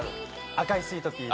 『赤いスイートピー』。